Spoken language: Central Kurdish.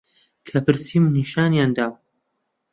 کە پرسیم نیشانیان دام